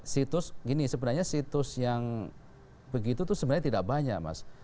situs gini sebenarnya situs yang begitu itu sebenarnya tidak banyak mas